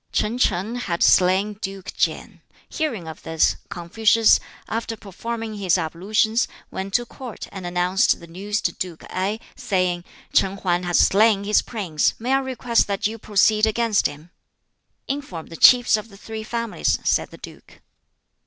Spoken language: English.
Ch'in Shing had slain Duke Kien. Hearing of this, Confucius, after performing his ablutions, went to Court and announced the news to Duke Ngai, saying, "Ch'in Hang has slain his prince. May I request that you proceed against him?" "Inform the Chiefs of the Three Families," said the duke.